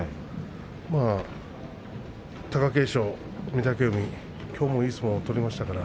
まあ、貴景勝、御嶽海きょうもいい相撲を取りました。